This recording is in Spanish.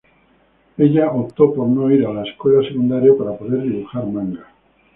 Ella optó por no ir a la escuela secundaria para poder dibujar manga.